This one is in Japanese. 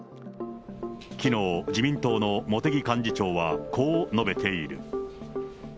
きのう、自民党の茂木幹事長は、こう述べている。